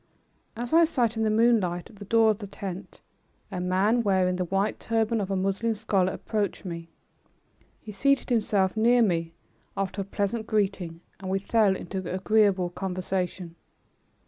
As I sat in the moonlight at the door of the tent, a man wearing the white turban of a Moslem scholar approached me. He seated himself near me after a pleasant greeting and we fell into agreeable conversation.